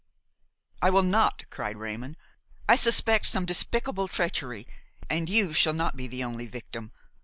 "I will not," cried Raymon; "I suspect some despicable treachery and you shall not be the only victim.